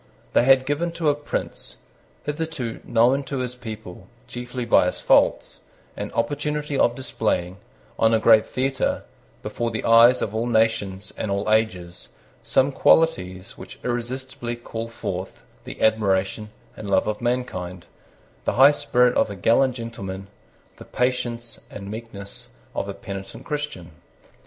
They had given to a prince, hitherto known to his people chiefly by his faults, an opportunity of displaying, on a great theatre, before the eyes of all nations and all ages, some qualities which irresistibly call forth the admiration and love of mankind, the high spirit of a gallant gentleman, the patience and meekness of a penitent Christian.